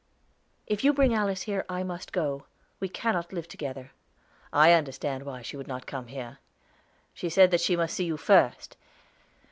"If you bring Alice here, I must go. We cannot live together." "I understand why she would not come here. She said that she must see you first.